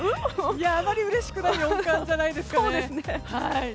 あまりうれしくない四冠じゃないですかね。